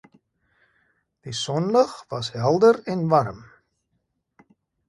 Die sonlig was helder en warm.